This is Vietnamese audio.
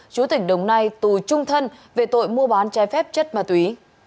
chú tỉnh đồng nai tù trung thân về tội mua bán trái phép chất ma túy